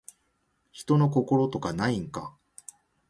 人の心とかないんか